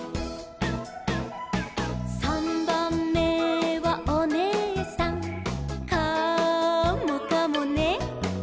「さんばんめはおねえさん」「カモかもね」